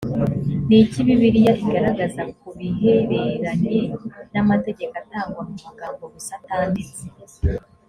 ni iki bibiliya igaragaza ku bihereranye n amategeko atangwa mu magambo gusa atanditse